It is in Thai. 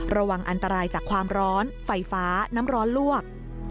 ระวังอันตรายจากความร้อนไฟฟ้าน้ำร้อนลวก